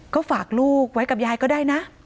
ก็ฝากลูกไว้กับยายก็ได้นะ